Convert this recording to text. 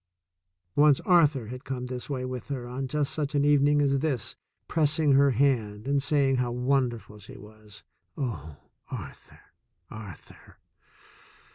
Once Arthur had come this way with her on just such an evening as this, pressing her hand and saying how wonderful she was. Oh, Arthur! Arthur!